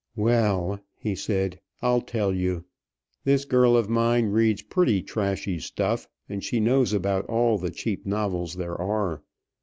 "Well," he said, "I'll tell you. This girl of mine reads pretty trashy stuff, and she knows about all the cheap novels there are.